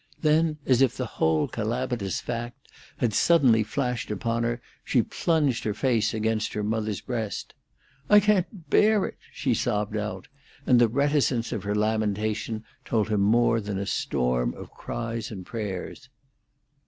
Then, as if the whole calamitous fact had suddenly flashed upon her, she plunged her face against her mother's breast. "I can't bear it!" she sobbed out; and the reticence of her lamentation told more than a storm of cries and prayers.